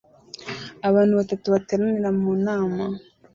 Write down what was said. Abantu batatu bateranira mu nama